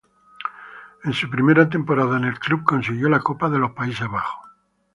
En su primera temporada en el club consiguió la Copa de los Países Bajos.